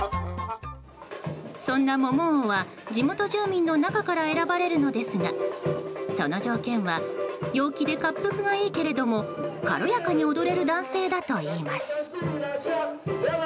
そんなモモ王は地元住民の中から選ばれるのですがその条件は陽気でかっぷくがいいけれども軽やかに踊れる男性だといいます。